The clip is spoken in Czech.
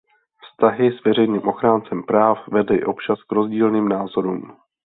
Vztahy s veřejným ochráncem práv vedly občas k rozdílným názorům.